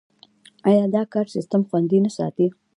آیا دا کار سیستم خوندي نه ساتي؟